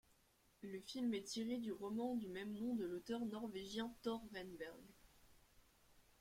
Le film est tiré du roman du même nom de l'auteur norvégien Tore Renberg.